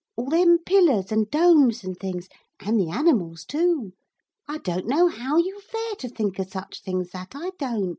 All them pillars and domes and things and the animals too. I don't know how you fare to think of such things, that I don't.'